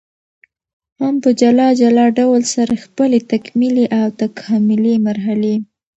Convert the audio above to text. هم په جلا جلا ډول سره خپلي تکمیلي او تکاملي مرحلې